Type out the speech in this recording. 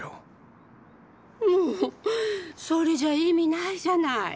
もうそれじゃ意味ないじゃない！